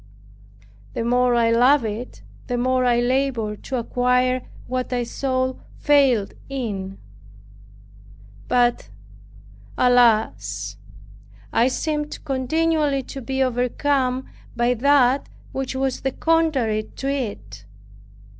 The more I loved it, the more I labored to acquire what I saw failed in. But, alas! I seemed continually to be overcome by that which was the contrary to it.